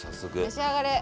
召し上がれ！